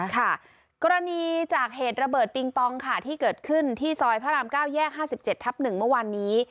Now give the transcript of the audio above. ค่ะกรณีจากเหตุระเบิดปิงปองค่ะที่เกิดขึ้นที่ซอยพระราม๙แยก๕๗ทับ๑เมื่อวานนี้